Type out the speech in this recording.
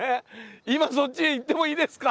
今そっちへ行ってもいいですか？